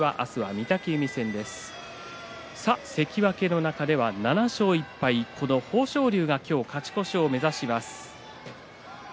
関脇の中では７勝１敗豊昇龍が勝ち越しを目指します。